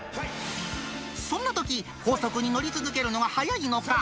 そんなとき、高速に乗り続けるのがはやいのか？